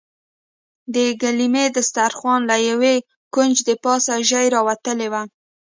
د ګيلمي دسترخوان له يوه کونجه د پاستي ژۍ راوتلې وه.